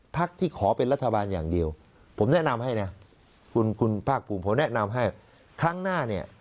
พักที่ขอเป็นรัฐบาลอย่างเดียวผมแนะนำให้นะคุณคุณภาคภูมิผมแนะนำให้ครั้งหน้าเนี่ย